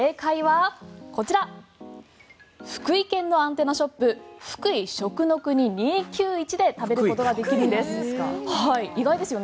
正解はこちら福井県のアンテナショップふくい食の國２９１で食べることができるんですよ。